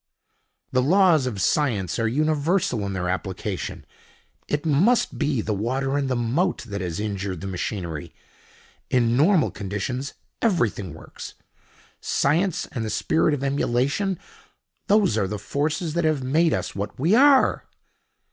"The laws of science are universal in their application. It must be the water in the moat that has injured the machinery. In normal conditions everything works. Science and the spirit of emulation—those are the forces that have made us what we are."